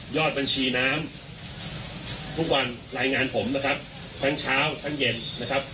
บัญชีน้ำทุกวันรายงานผมนะครับทั้งเช้าทั้งเย็นนะครับ